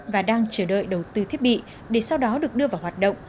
và đang chờ đợi đầu tư thiết bị để sau đó được đưa vào hoạt động